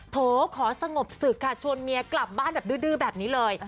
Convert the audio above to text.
โถขอสงบศึกค่ะชวนเมียกลับบ้านแบบดื้อแบบนี้เลย